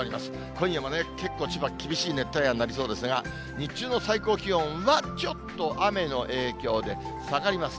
今夜も結構千葉、厳しい熱帯夜になりそうですが、日中の最高気温はちょっと雨の影響で下がります。